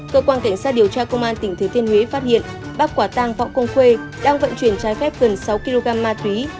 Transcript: cơ quan cảnh sát điều tra công an tỉnh thứ thiên huế phát hiện bắt quả tăng võ công khuê đang vận chuyển trái phép gần sáu kg ma túy